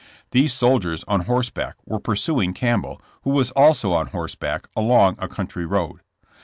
These soldiers, on horseback, were pursuing Campbell, who was also on horseback, along a country road.